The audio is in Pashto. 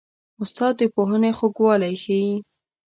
استاد د پوهنې خوږوالی ښيي.